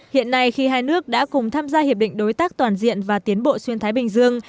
hiện nay khi hai nước đã cùng tham gia hiệp định đối tác toàn diện và tiến bộ xuyên thái bình dương